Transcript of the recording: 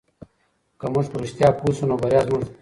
که موږ په رښتیا پوه سو نو بریا زموږ ده.